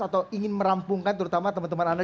atau ingin merampungkan terutama teman teman anda